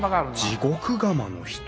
地獄釜の人